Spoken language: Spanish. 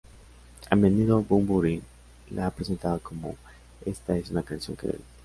A menudo, Bunbury la ha presentado como: ""esta es una canción que duele"".